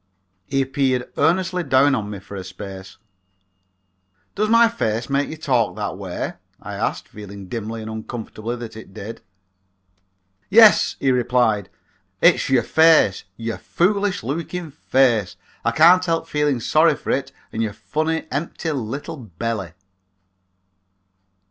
He peered earnestly down on me for a space. "Does my face make you talk that way?" I asked, feeling dimly and uncomfortably that it did. "Yes," he replied, "it's your face, your foolish looking face. I can't help feeling sorry for it and your funny empty little belly."